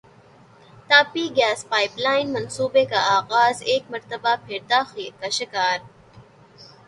Tapi gas pipeline منصوبے کا اغاز ایک مرتبہ پھر تاخیر کا شکار